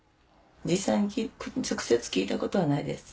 実際に直接聞いたことはないです。